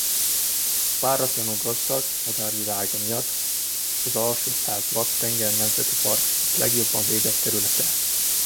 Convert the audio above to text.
Páratlanul gazdag madárvilága miatt az Alsó-Szász Watt-tenger Nemzeti Park egyik legjobban védett területe.